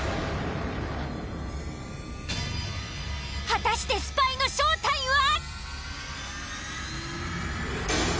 果たしてスパイの正体は？